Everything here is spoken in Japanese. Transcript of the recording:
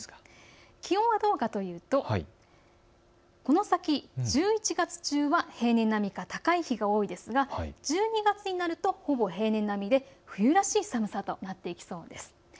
気温はどうかというとこの先、１１月中は平年並みか高い日が多いですが１２月になるとほぼ平年並みで冬らしい寒さになっていきそうです。